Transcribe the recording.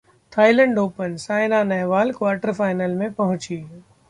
Thailand open Saina Nehwal quarter final में पहुंची